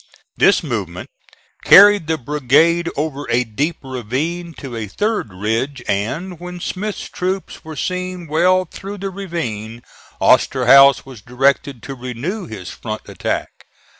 This movement carried the brigade over a deep ravine to a third ridge and, when Smith's troops were seen well through the ravine, Osterhaus was directed to renew his front attack.